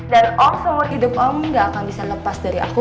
dan om seumur hidup om gak akan bisa lepas dari aku